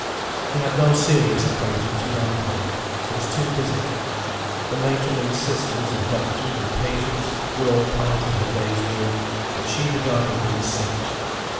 She had no serious acquaintance with anybody, she was too busy. The matron and sisters and doctors and patients were all part of her day's work, and she regarded them as such.